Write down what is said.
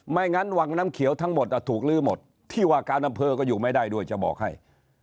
งั้นวังน้ำเขียวทั้งหมดถูกลื้อหมดที่ว่าการอำเภอก็อยู่ไม่ได้ด้วยจะบอกให้